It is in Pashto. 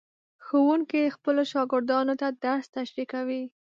ښوونکي خپلو شاګردانو ته درس تشریح کوي.